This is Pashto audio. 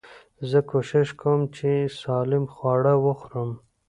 زه کوشش کوم، چي سالم خواړه وخورم.